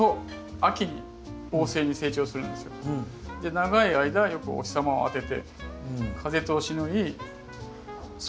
長い間よくお日様を当てて風通しのいい外。